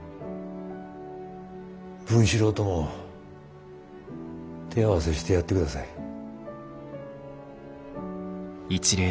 文四郎とも手合わせしてやってください。